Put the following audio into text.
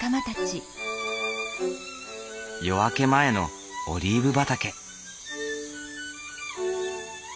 夜明け前のオリーブ畑。